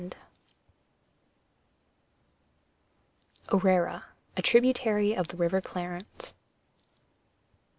Orara * Orara: A tributary of the river Clarence.